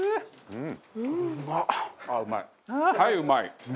うん！